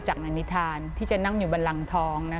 ท่านรู้จักนานิทานที่จะนั่งอยู่บนรังทอง